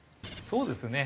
そうですね。